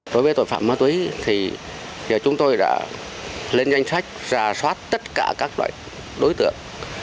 đối với tội phạm ma túy thì giờ chúng tôi đã lên danh sách ra soát tất cả các loại đối tượng